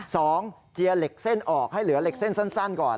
เจียเหล็กเส้นออกให้เหลือเหล็กเส้นสั้นก่อน